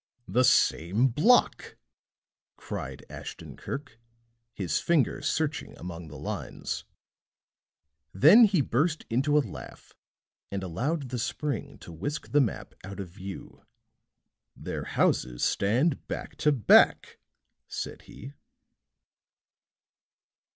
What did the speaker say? "The same block!" cried Ashton Kirk, his finger searching among the lines. Then he burst into a laugh and allowed the spring to whisk the map out of view. "Their houses stand back to back," said he.